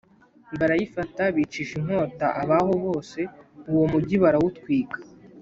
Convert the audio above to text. barayifata, bicisha inkota abaho bose, uwo mugi barawutwika